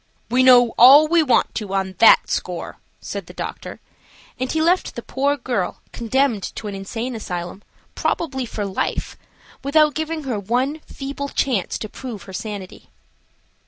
"We know all we want to on that score," said the doctor, and he left the poor girl condemned to an insane asylum, probably for life, without giving her one feeble chance to prove her sanity.